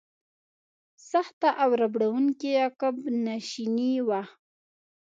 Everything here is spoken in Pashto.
سخته او ربړونکې عقب نشیني وه.